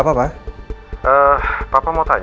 atersan ini apa ovat suwerango